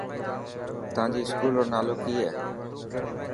تانجي اسڪوول رو نالو ڪي هي.